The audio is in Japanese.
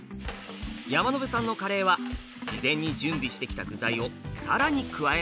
山野辺さんのカレーは事前に準備してきた具材を更に加えます。